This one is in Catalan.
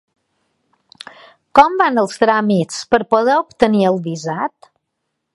Com van els tràmits per poder obtenir el visat?